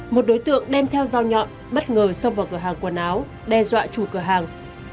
một đối tượng đem theo dao nhọn bất ngờ xông vào cửa hàng quần áo đe dọa chủ cửa hàng